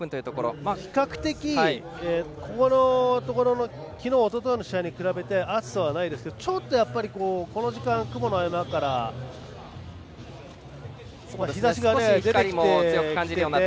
今日は比較的昨日、おとといの試合と比べて暑さはないですけどちょっと、この時間雲の合間から日ざしが出てきていて。